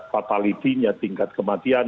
fatality nya tingkat kematian